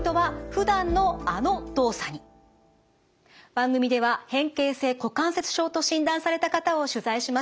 番組では変形性股関節症と診断された方を取材しました。